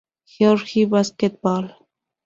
Georgia Basketball.